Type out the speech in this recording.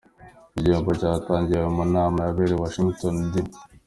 Iki gihembo cyatangiwe mu nama yabereye i Washington D.